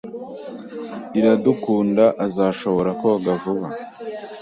Iradukunda azashobora koga vuba.